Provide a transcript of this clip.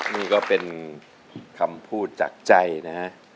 นี่ก็เป็นคำพูดจากใจนะฮะ